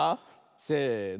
せの。